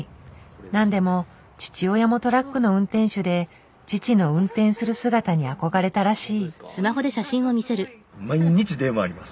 なんでも父親もトラックの運転手で父の運転する姿に憧れたらしい。